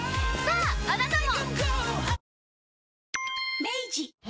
ああなたも。